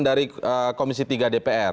dari komisi tiga dpr